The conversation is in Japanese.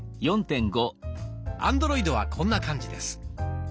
アンドロイドはこんな感じです。